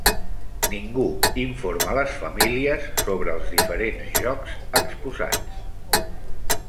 Ningú informa les famílies sobre els diferents jocs exposats.